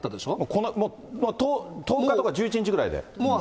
この１０日とか１１日ぐらいで。